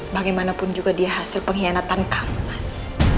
bagaimanapun juga dia hasil pengkhianatan kamu mas